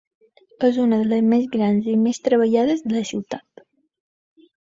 És una de les més grans i més treballades de la ciutat.